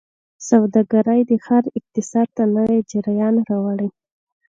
سوداګرۍ د ښار اقتصاد ته نوي جریان راوړي.